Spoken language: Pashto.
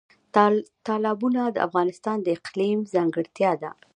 تالابونه د افغانستان د اقلیم ځانګړتیا ده.